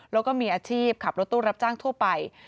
แล้วก็มีอาชีพขับรถตู้รับจ้างทั่วไป